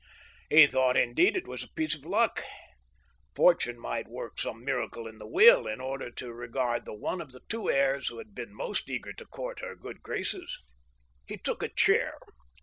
He thought* indeed, it was a piece of luck. Fortune might worlc some miracle in the will, in order to reward the one of the two heirs who had been most eager to court her good graces. He took a chair.